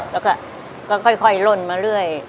แล้วก็ค่อยล่นมาเรื่อย